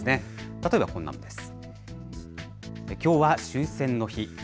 例えばこんなものです。